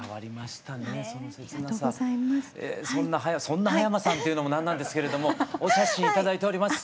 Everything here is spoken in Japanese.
そんなそんな羽山さんって言うのもなんなんですけれどもお写真頂いております。